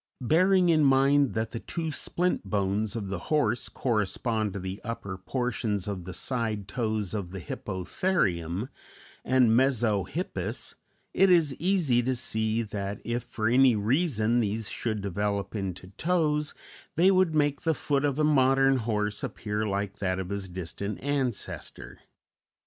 Bearing in mind that the two splint bones of the horse correspond to the upper portions of the side toes of the Hippotherium and Mesohippus, it is easy to see that if for any reason these should develop into toes, they would make the foot of a modern horse appear like that of his distant ancestor.